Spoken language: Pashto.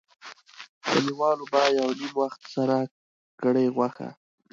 کلیوالو به یو نیم وخت سره کړې غوښه.